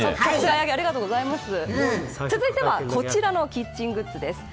続いてこはちらのキッチングッズです。